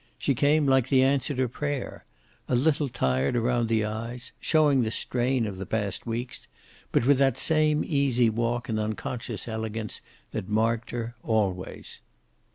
She came like the answer to prayer, a little tired around the eyes, showing the strain of the past weeks, but with that same easy walk and unconscious elegance that marked her, always.